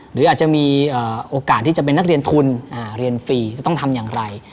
หรืออาจจะมีโอกาสที่จะเป็นนักเรียนทุนเรียนฟรีจะต้องทำอย่างไร